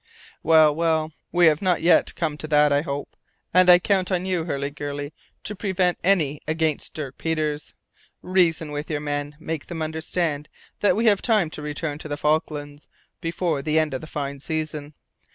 "Well, well, we have not yet come to that, I hope, and I count on you, Hurliguerly, to prevent any attempt against Dirk Peters. Reason with your men. Make them understand that we have time to return to the Falklands before the end of the fine season.